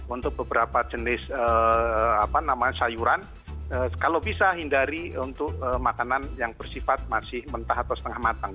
untuk beberapa jenis sayuran kalau bisa hindari untuk makanan yang bersifat masih mentah atau setengah matang